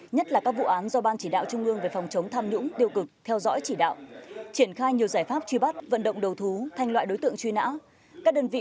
nhất là các vụ án do ban chỉ đạo trung ương về phòng chống tham nhũng tiêu cực theo dõi chỉ đạo triển khai nhiều giải pháp truy bắt vận động đầu thú thành loại đối tượng truy nã